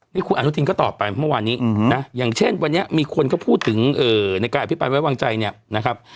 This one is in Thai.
นี่คุณอนุทินก็ตอบไปเมื่อวานนี้นะอย่างเช่นวันนี้มีคนก็พูดถึงในการอภิปรายไว้วางใจเนี่ยนะครับ